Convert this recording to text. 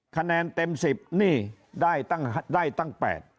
คะแนนเต็ม๑๐นี่ได้ตั้ง๘